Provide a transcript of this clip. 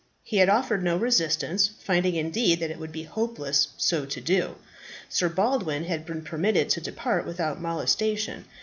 He had offered no resistance, finding indeed that it would be hopeless so to do. Sir Baldwin had been permitted to depart without molestation.